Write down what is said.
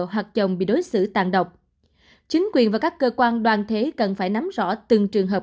hoặc chồng bị đối xử tàn độc chính quyền và các cơ quan đoàn thể cần phải nắm rõ từng trường hợp